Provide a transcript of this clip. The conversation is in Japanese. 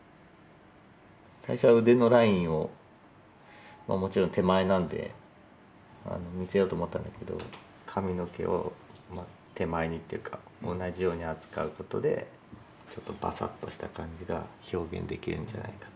最初は腕のラインをもちろん手前なんで見せようと思ったんだけど髪の毛を手前にというか同じように扱うことでちょっとバサッとした感じが表現できるんじゃないかと。